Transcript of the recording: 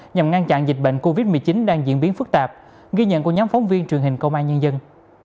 nhằm ngăn chặn dịch bệnh covid một mươi chín đang diễn biến phức tạp ghi nhận của nhóm phóng viên truyền hình công an nhân dân